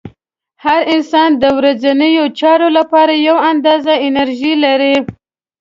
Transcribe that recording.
هر انسان د ورځنیو چارو لپاره یوه اندازه انرژي لري.